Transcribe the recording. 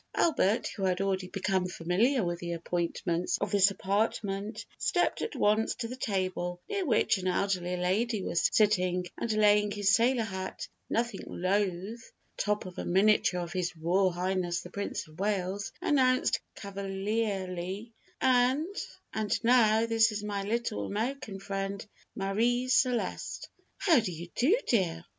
Albert, who had already become familiar with the appointments of this apartment, stepped at once to the table, near which an elderly lady was sitting, and laying his sailor hat, nothing loath, atop of a miniature of His Royal Highness the Prince of Wales, announced cavalierly, "And and now, this is my little American friend, Marie Celeste." "How do you do, dear?"